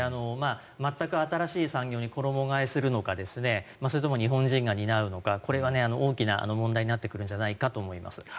全く新しい産業に衣替えするのかそれとも日本人が担うのかこれは大きな問題になってくるんじゃないかと思います。